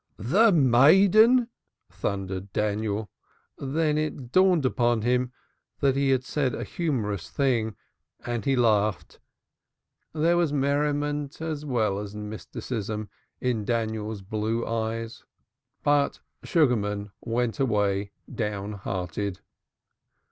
"The maiden!" thundered Daniel. Then it dawned upon him that he had said a humorous thing and he laughed. There was merriment as well as mysticism in Daniel's blue eyes. But Sugarman went away, down hearted.